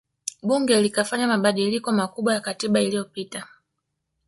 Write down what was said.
Bunge likafanya mabadiliko makubwa ya katiba iliyopita